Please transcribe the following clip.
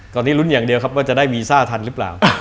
ตอนนี้ลุ้นอย่างเดียวครับว่าจะได้วีซ่าทันหรือเปล่า